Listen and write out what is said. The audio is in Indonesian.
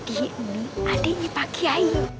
ini adiknya pak kiai